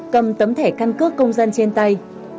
cầm tấm thẻ căn cước công dân trên tay